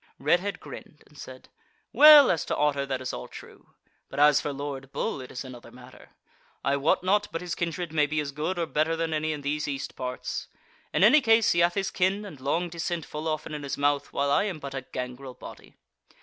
Redhead grinned, and said: "Well, as to Otter, that is all true; but as for Lord Bull it is another matter; I wot not but his kindred may be as good or better than any in these east parts. In any case, he hath his kin and long descent full often in his mouth, while I am but a gangrel body.